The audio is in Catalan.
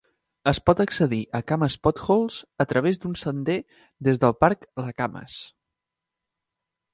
Es pot accedir a Camas Potholes a través d'un sender des del parc Lacamas.